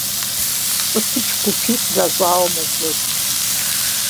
ЩӀыпыч гупитӀ защӀауи мэджэгу.